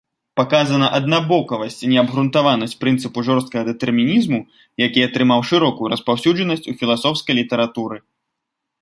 Паказана аднабаковасць і неабгрунтаванасць прынцыпу жорсткага дэтэрмінізму, які атрымаў шырокую распаўсюджанасць у філасофскай літаратуры.